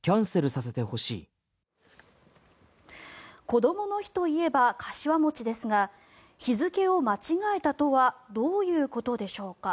こどもの日といえば柏餅ですが日付を間違えたとはどういうことでしょうか。